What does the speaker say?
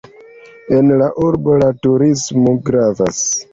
En la urbo la turismo gravas.